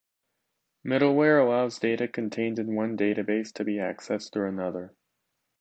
Middleware allows data contained in one database to be accessed through another.